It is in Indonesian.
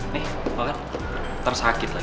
nih lo kan tersakit lagi